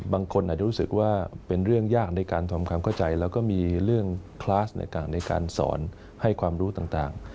บางคนอาจจะรู้สึกว่าเป็นเรื่องยากในการทำความเข้าใจแล้วก็มีเรื่องคลาสในการสอนให้ความรู้ต่าง